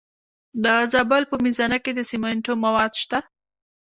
د زابل په میزانه کې د سمنټو مواد شته.